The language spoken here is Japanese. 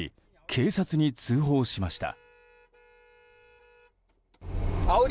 警察に通報しました。